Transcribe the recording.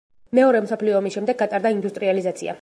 მეორე მსოფლიო ომის შემდეგ გატარდა ინდუსტრიალიზაცია.